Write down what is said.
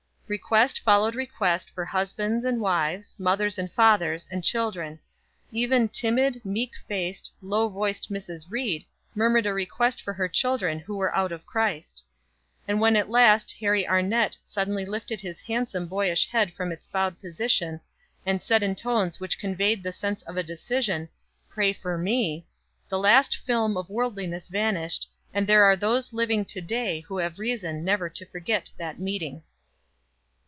Request followed request for husbands and wives, mothers and fathers, and children. Even timid, meek faced, low voiced Mrs. Ried murmured a request for her children who were out of Christ. And when at last Harry Arnett suddenly lifted his handsome boyish head from its bowed position, and said in tones which conveyed the sense of a decision, "Pray for me" the last film of worldliness vanished; and there are those living to day who have reason never to forget that meeting.